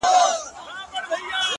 • لاس دي رانه کړ اوبو چي ډوبولم,